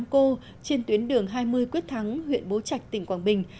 năm cô trên tuyến đường hai mươi quyết thắng huyện bố trạch tỉnh quảng bình